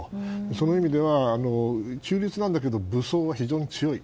その意味では中立なんだけど武装は非常に強い。